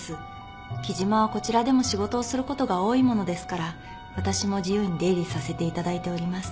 木島はこちらでも仕事をすることが多いものですからわたしも自由に出入りさせていただいております。